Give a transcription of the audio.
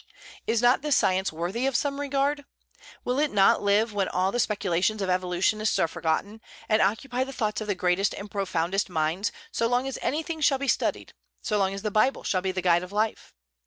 Is not this science worthy of some regard? Will it not live when all the speculations of evolutionists are forgotten, and occupy the thoughts of the greatest and profoundest minds so long as anything shall be studied, so long as the Bible shall be the guide of life?